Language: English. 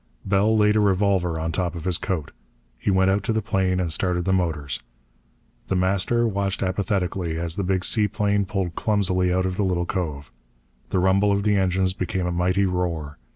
Bell laid a revolver on top of his coat. He went out to the plane and started the motors. The Master watched apathetically as the big seaplane pulled clumsily out of the little cove. The rumble of the engines became a mighty roar.